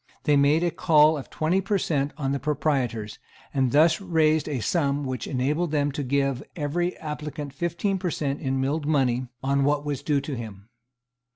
They made a call of twenty per cent. on the proprietors, and thus raised a sum which enabled them to give every applicant fifteen per cent. in milled money on what was due to him.